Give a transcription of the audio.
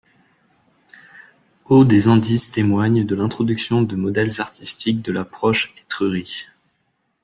Aux des indices témoignent de l'introduction de modèles artistiques de la proche Étrurie.